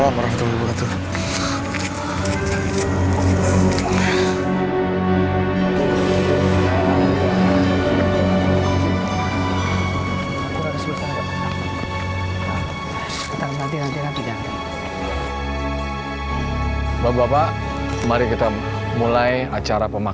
bapak bapak saya mau ke rumah